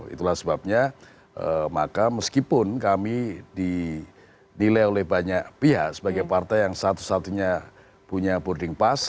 itulah sebabnya maka meskipun kami dinilai oleh banyak pihak sebagai partai yang satu satunya punya boarding pass